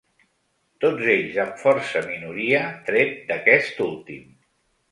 Tots ells amb força minoria, tret d’aquest últim.